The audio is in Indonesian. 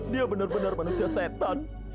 dia benar benar manusia setan